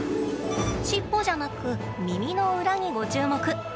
尻尾じゃなく、耳の裏にご注目。